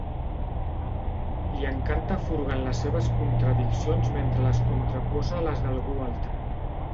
Li encanta furgar en les seves contradiccions mentre les contraposa a les d'algú altre.